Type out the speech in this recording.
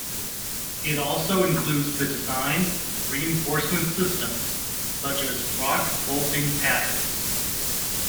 It also includes the design of reinforcement systems, such as rock bolting patterns.